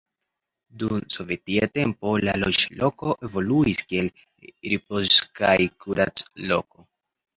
Dum sovetia tempo la loĝloko evoluis kiel ripoz- kaj kurac-loko.